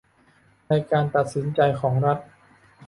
ในการตัดสินใจของรัฐ